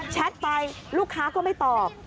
แท็ตไปลูกค้าก็ไม่ตอบ